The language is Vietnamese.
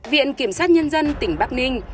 viện kiểm sát nhân dân tỉnh bắc ninh